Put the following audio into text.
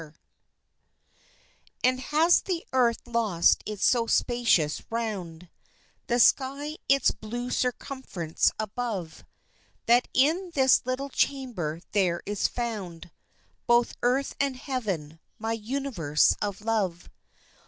] And has the earth lost its so spacious round, The sky its blue circumference above, That in this little chamber there is found Both earth and heaven my universe of love!